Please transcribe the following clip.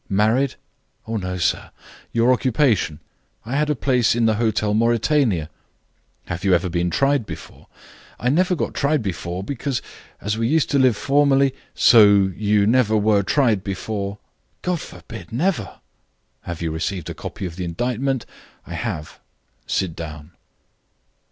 "Married?" "Oh, no, sir." "Your occupation?" "I had a place in the Hotel Mauritania." "Have you ever been tried before?" "I never got tried before, because, as we used to live formerly " "So you never were tried before?" "God forbid, never." "Have you received a copy of the indictment?" "I have." "Sit down."